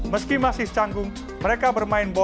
meski masih canggung mereka bermain bola